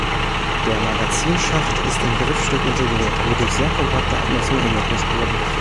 Der Magazinschacht ist im Griffstück integriert, wodurch sehr kompakte Abmessungen ermöglicht wurden.